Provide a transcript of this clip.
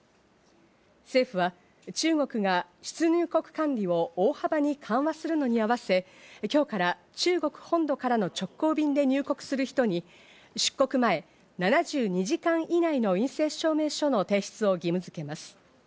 政府は中国が出入国管理を大幅に緩和するのに合わせ、今日から中国本土からの直行便で入国する人に出国前７２時間以内の陰性証明書の提出を義務付けます。